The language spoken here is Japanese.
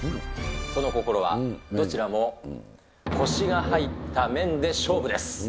その心は、どちらもこしが入っためんで勝負です。